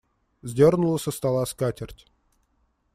Сдернула со стола скатерть.